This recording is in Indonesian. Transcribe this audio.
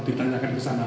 ditanyakan ke sana